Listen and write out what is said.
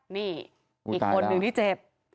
นี่อีกคนนึงที่เจ็บ